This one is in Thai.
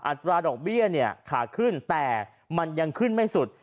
อัตราดอกเบี้ยเนี่ยขาขึ้นแต่มันยังขึ้นไม่สุด